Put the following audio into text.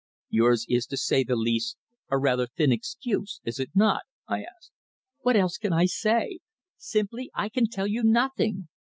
"Yours is, to say the least, a rather thin excuse, is it not?" I asked. "What else can I say? Simply I can tell you nothing."